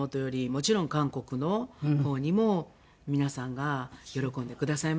もちろん韓国の方にも皆さんが喜んでくださいました。